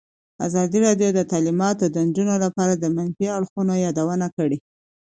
ازادي راډیو د تعلیمات د نجونو لپاره د منفي اړخونو یادونه کړې.